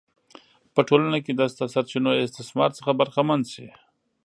په ټولنه کې د شته سرچینو استثمار څخه برخمن شي.